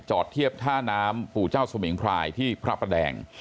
จอดเทียบท่าน้ำภูเจ้าสมิงพรายที่พระแดง